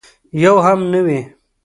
یو هم نه وي.